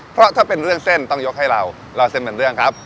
เพราะถ้าเป็นเรื่องเส้นต้องยกให้เราเล่าเส้นเป็นเรื่องครับ